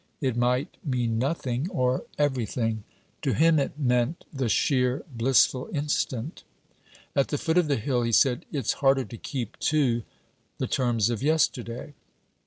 It might mean nothing, or everything: to him it meant the sheer blissful instant. At the foot of the hill, he said: 'It's harder to keep to, the terms of yesterday.'